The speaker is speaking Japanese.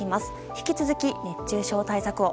引き続き、熱中症対策を。